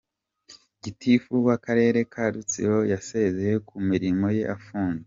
Gitifu w’Akarere ka Rutsiro yasezeye ku mirimo ye afunzwe.